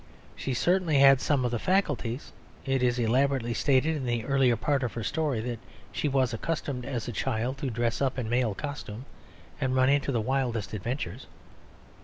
She certainly had some of the faculties; it is elaborately stated in the earlier part of her story that she was accustomed as a child to dress up in male costume and run into the wildest adventures.